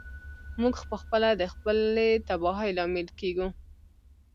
موږ پخپله د خپلې تباهۍ لامل کیږو.